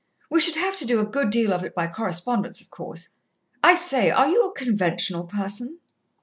We should have to do a good deal of it by correspondence, of course.... I say, are you a conventional person?"